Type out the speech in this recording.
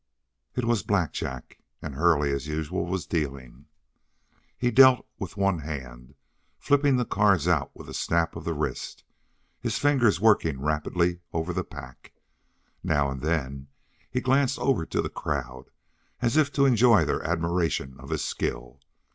It was blackjack, and Hurley, as usual, was dealing. He dealt with one hand, flipping the cards out with a snap of the wrist, the fingers working rapidly over the pack. Now and then he glanced over to the crowd, as if to enjoy their admiration of his skill.